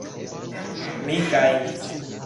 Mi gajnis!